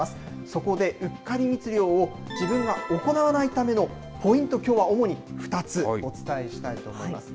そこで、うっかり密漁を自分は行わないためのポイント、きょうは主に２つお伝えしたいと思います。